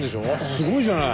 すごいじゃない。